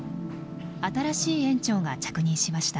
新しい園長が着任しました。